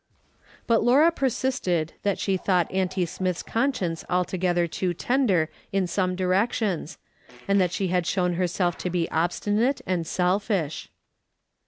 But Laura persisted that she thought auntie Smith's conscience altogether too tender in some directions, and that she had shown herself to be obstinate and seltish.